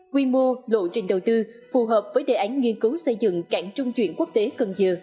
quy mô lộ trình đầu tư phù hợp với đề án nghiên cứu xây dựng cảng trung chuyển quốc tế cần dừa